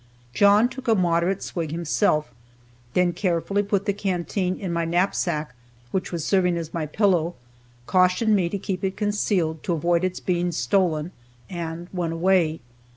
John took a moderate swig himself, then carefully put the canteen in my knapsack, which was serving as my pillow, cautioned me to keep it concealed to avoid its being stolen, and went away.